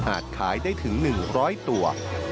ขายได้ถึง๑๐๐ตัว